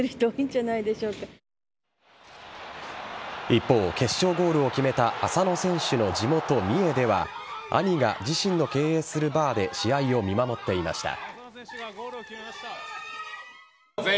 一方、決勝ゴールを決めた浅野選手の地元・三重では兄が自身の経営するバーで試合を見守っていました。